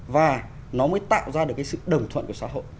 và nó mới tạo ra được cái sự đồng thuận của xã hội